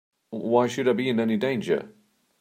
Why should I be in any danger?